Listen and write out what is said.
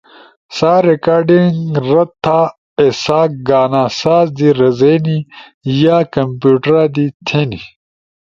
سا ریکارڈنگ رد تھا ایسا گانا ساز دی رزینی یا کمپیوٹرا دی تھے نی۔